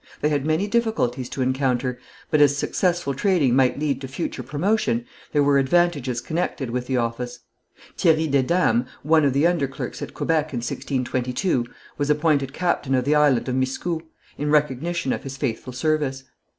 They had many difficulties to encounter, but as successful trading might lead to future promotion, there were advantages connected with the office. Thierry Desdames, one of the underclerks at Quebec in 1622, was appointed captain of the Island of Miscou, in recognition of his faithful service.